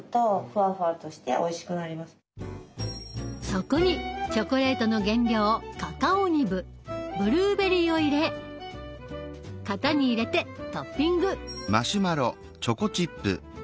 そこにチョコレートの原料カカオニブブルーベリーを入れ型に入れてトッピング。